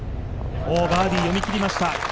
おお、バーディー、読み切りました。